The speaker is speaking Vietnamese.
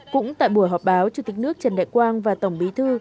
cũng tại buổi họp báo chủ tịch nước trần đại quang và tổng bí thư